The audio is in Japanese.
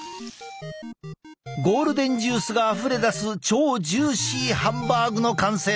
ゴールデンジュースがあふれ出す超ジューシーハンバーグの完成だ！